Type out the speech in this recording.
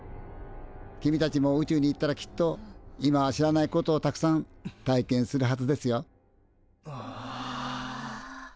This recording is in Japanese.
君たちも宇宙に行ったらきっと今は知らないことをたくさん体験するはずですよ。はあ。